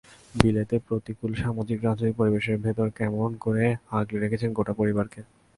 বিলেতের প্রতিকূল সামাজিক-রাজনৈতিক পরিবেশের ভেতর কেমন করে আগলে রেখেছেন গোটা পরিবারকে।